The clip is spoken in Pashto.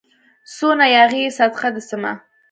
څونه ياغي يې صدقه دي سمه